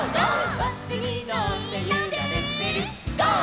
「バスにのってゆられてるゴー！